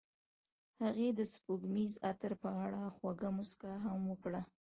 هغې د سپوږمیز عطر په اړه خوږه موسکا هم وکړه.